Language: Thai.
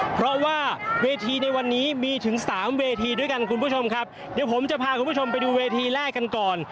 เพราะว่าเวทีในวันนี้มีถึงสามเวทีด้วยกันคุณผู้ชมครับเดี๋ยวผมจะพาคุณผู้ชมไปดูเวทีแรกกันก่อน